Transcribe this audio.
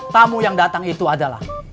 tamu yang datang itu adalah